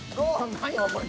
何よこれ。